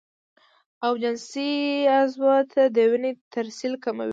او جنسي عضو ته د وينې ترسيل کموي